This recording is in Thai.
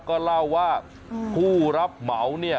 ก็เล่าว่าผู้รับเหมาเนี่ย